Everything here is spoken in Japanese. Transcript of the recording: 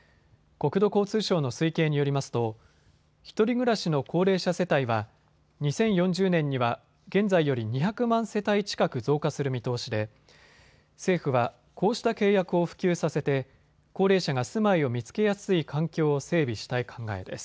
国土交通省の推計によりますと１人暮らしの高齢者世帯は２０４０年には現在より２００万世帯近く増加する見通しで政府はこうした契約を普及させて高齢者が住まいを見つけやすい環境を整備したい考えです。